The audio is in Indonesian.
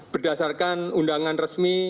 berdasarkan undangan resmi